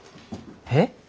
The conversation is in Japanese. えっ？